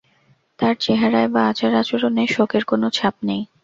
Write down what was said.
তার চেহারায় বা আচার-আচরণে শোকের কোনো ছাপ নেই।